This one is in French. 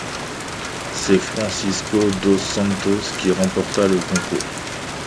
C'est Francisco dos Santos qui remporta le concours.